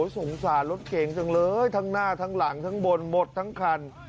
สงสารรถเก่งจังเลยทั้งหน้าทั้งหลังทั้งบนหมดทั้งคัน